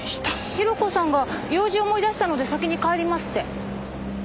広子さんが「用事を思い出したので先に帰ります」って。